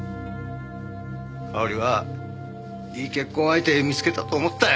かおりはいい結婚相手見つけたと思ったよ。